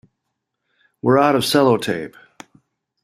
We're out of sellotape.